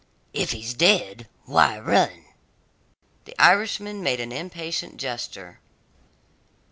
"If he's dead, why run?" The Irishman made an impatient gesture.